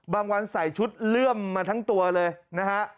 วันใส่ชุดเลื่อมมาทั้งตัวเลยนะฮะ